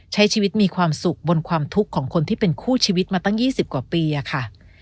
ใช้ชีวิตมีความสุขบนความทุกข์ของคนที่เป็นคู่ชีวิตมาตั้ง๒๐กว่าปีอะค่ะ